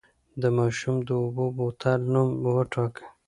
د ماشوم د اوبو بوتل نوم وټاکئ.